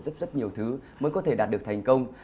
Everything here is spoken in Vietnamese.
rất rất nhiều thứ mới có thể đạt được thành công